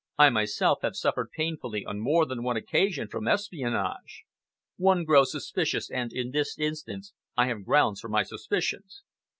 I myself have suffered painfully on more than one occasion from espionage. One grows suspicious, and, in this instance, I have grounds for my suspicions."